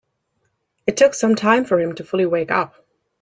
It took some time for him to fully wake up.